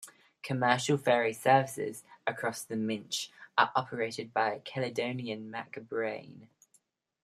Commercial ferry services across the Minch are operated by Caledonian MacBrayne.